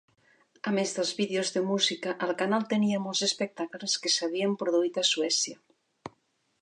A més dels vídeos de música, el canal tenia molts espectacles que s'havien produït a Suècia.